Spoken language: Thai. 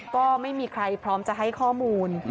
ก็ไม่มีใครพร้อมจะให้ข้อมูล